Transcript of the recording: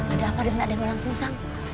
ada apa dengan aden molangsungsang